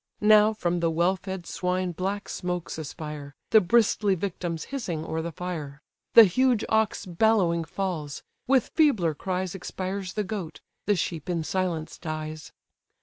Now from the well fed swine black smokes aspire, The bristly victims hissing o'er the fire: The huge ox bellowing falls; with feebler cries Expires the goat; the sheep in silence dies.